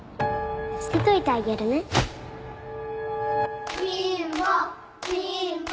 捨てといてあげるね貧乏！